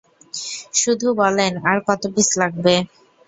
শুধু বলেন, আর কত পিস লাগবে?